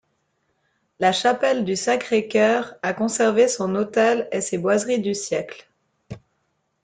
La chapelle du Sacré-Cœur a conservé son autel et ses boiseries du siècle.